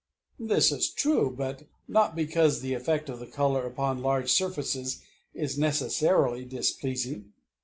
This is true, but not because the effect of the color upon large surfaces is necessarily displeasing.